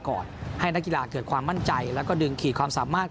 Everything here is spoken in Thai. ก่อนให้นักกีฬาเกิดความมั่นใจแล้วก็ดึงขีดความสามารถ